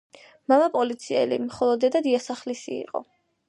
მამა პოლიციელი, ხოლო დედა დიასახლისი იყო.